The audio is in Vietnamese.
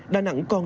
đà nẵng còn